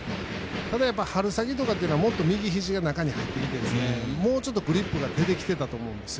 ただ、春先とかはもっと右ひじが中に入ってきてもうちょっとグリップが出てきたと思うんです。